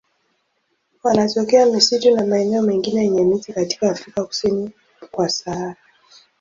Wanatokea misitu na maeneo mengine yenye miti katika Afrika kusini kwa Sahara.